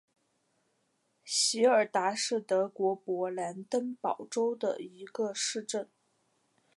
席尔达是德国勃兰登堡州的一个市镇。